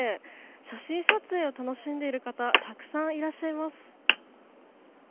写真撮影を楽しんでいる方たくさんいらっしゃいます。